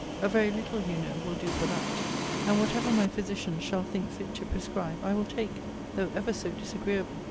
A very little, you know, will do for that. And whatever my physicians shall think fit to prescribe, I will take, though ever so disagreeable.